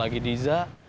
bantuin lagi diza